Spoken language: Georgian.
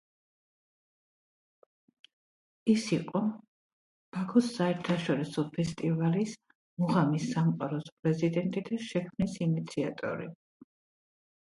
ის იყო ბაქოს საერთაშორისო ფესტივალის „მუღამის სამყაროს“ პრეზიდენტი და შექმნის ინიციატორი.